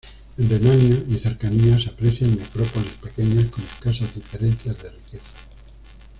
En Renania y cercanías se aprecian necrópolis pequeñas con escasas diferencias de riqueza.